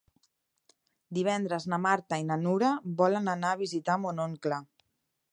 Divendres na Marta i na Nura volen anar a visitar mon oncle.